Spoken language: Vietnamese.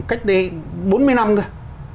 cách đây bốn mươi năm rồi